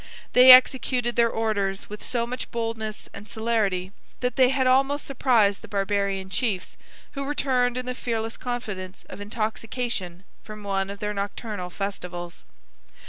They executed their orders with so much boldness and celerity, that they had almost surprised the Barbarian chiefs, who returned in the fearless confidence of intoxication from one of their nocturnal festivals.